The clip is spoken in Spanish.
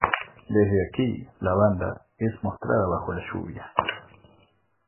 Desde aquí, la banda es mostrada bajo la lluvia.